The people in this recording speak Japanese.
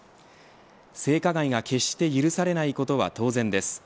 性加害が決して許されないことは当然です。